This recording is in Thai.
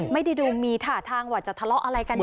ไม่ได้ดูมีถาดทางว่าจะทะเลาะอะไรกันด้วยนะ